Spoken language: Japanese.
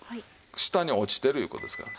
下に落ちてるいう事ですからね。